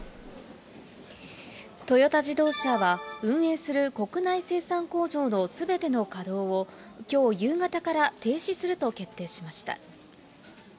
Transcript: トヨタ自動車は、運営する国内生産工場のすべての稼働を、きょう夕方から停止すると決定しました。